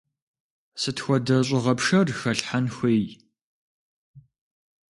Сыт хуэдэ щӏыгъэпшэр хэлъхьэн хуей?